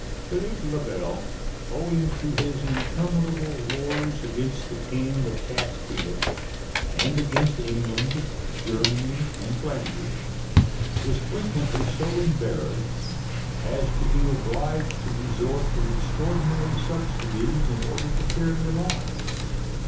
Philippe le Bel, owing to his interminable wars against the King of Castille, and against England, Germany, and Flanders, was frequently so embarrassed as to be obliged to resort to extraordinary subsidies in order to carry them on.